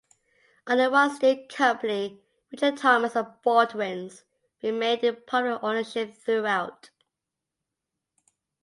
Only one steel company, Richard Thomas and Baldwins, remained in public ownership throughout.